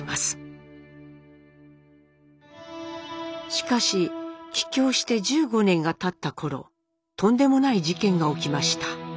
しかし帰郷して１５年がたったころとんでもない事件が起きました。